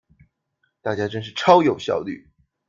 大家真是超有效率